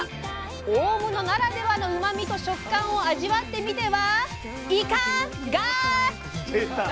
大物ならではのうまみと食感を味わってみては「イカ」が⁉出た！